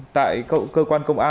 tại cơ quan công an